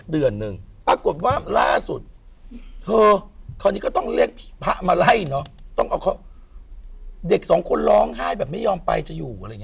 เด็กสองคนร้องไห้แบบไม่ยอมไปจะอยู่